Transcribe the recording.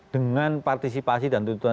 dengan partisipasi dan tuntutan